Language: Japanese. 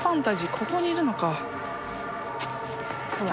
ここにいるのか。